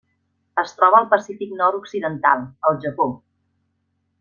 Es troba al Pacífic nord-occidental: el Japó.